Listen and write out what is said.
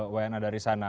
wna dari sana